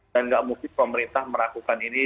dan nggak mungkin pemerintah merakukan ini